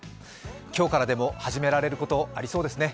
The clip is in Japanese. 今日からでも始められること、ありそうですね。